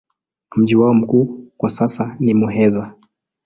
Mji wao mkuu kwa sasa ni Muheza.